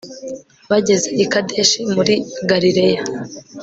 bageze i kadeshi muri galileya